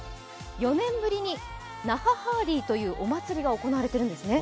４年ぶりに那覇ハーリーというお祭りが行われているんですね。